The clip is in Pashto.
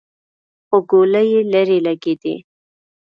خو ګولۍ يې ليرې لګېدې.